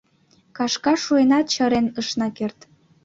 Кашка шуэнат чарен ышна керт.